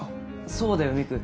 そうだよミク。